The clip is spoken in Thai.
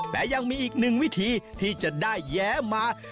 แต่ยังมีอีกหนึ่งวิธีที่จะได้แย้มา